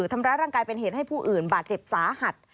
ทำร้ายร่างกายเป็นเหตุให้ผู้อื่นบาดเจ็บสาหัส